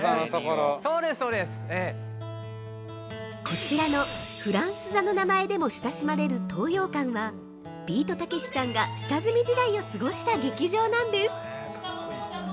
◆こちらのフランス座の名前でも親しまれる東洋館はビートたけしさんが下積み時代を過ごした劇場なんです！